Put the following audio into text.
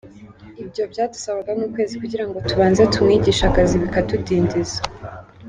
Ibi byadusabaga nk’ukwezi kugira ngo tubanze tumwigishe akazi bikatudindiza.